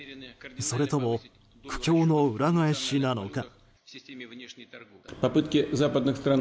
それとも苦境の裏返しなのか。